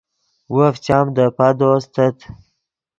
وف چام دے پادو استت